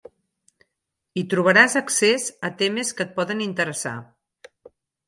Hi trobaràs accés a temes que et poden interessar.